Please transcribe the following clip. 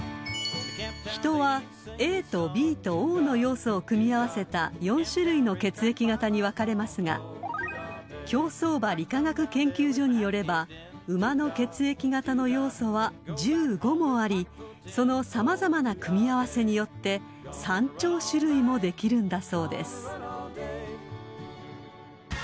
［人はＡとＢとＯの要素を組み合わせた４種類の血液型に分かれますが競走馬理化学研究所によれば馬の血液型の要素は１５もありその様々な組み合わせによって３兆種類もできるんだそうです］